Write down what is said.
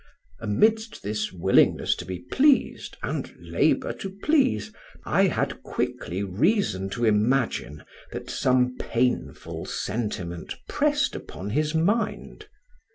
"Amidst this willingness to be pleased and labour to please, I had quickly reason to imagine that some painful sentiment pressed upon his mind.